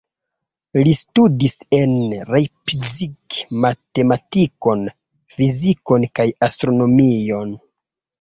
Li studis en Leipzig matematikon, fizikon kaj astronomion.